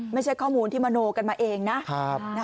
ไม่ใช่ข้อมูลที่มโนกันมาเองนะ